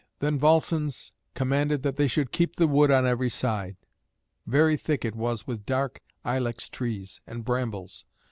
Then Volscens commanded that they should keep the wood on every side. Very thick it was with dark ilex trees and brambles.